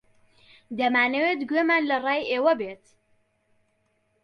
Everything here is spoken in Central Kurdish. دەمانەوێت گوێمان لە ڕای ئێوە بێت.